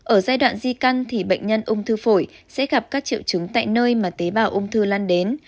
ở giai đoạn di căn thì bệnh nhân ung thư phổi sẽ gặp các triệu chứng tại nơi mà tế bào ung thư lan đến